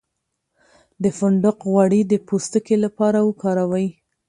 د فندق غوړي د پوستکي لپاره وکاروئ